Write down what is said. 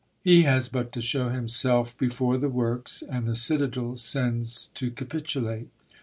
He has but to shew himself before the works, and the citadel sends to capitulate.